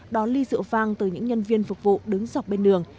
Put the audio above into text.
đón ly rượu vang từ những nhân viên phục vụ đứng dọc bên đường